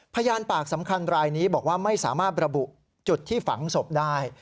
พยานปากสำคัญรายนี้บอกว่าไม่สามารถระบุจุดที่ฝังศพได้